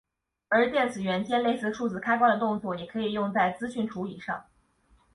而电子元件类似数字开关的动作也可以用在资讯处理上。